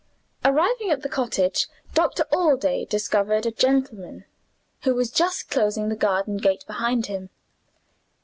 Arriving at the cottage, Doctor Allday discovered a gentleman, who was just closing the garden gate behind him.